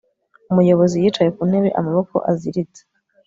Umuyobozi yicaye ku ntebe amaboko aziritse